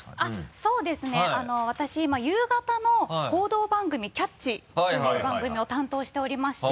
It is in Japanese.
そうですね私今夕方の報道番組「キャッチ！」という番組を担当しておりまして。